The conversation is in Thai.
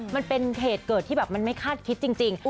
มันเป็นเหตุเกิดที่แบบมันไม่คาดคิดจริง